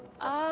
あ。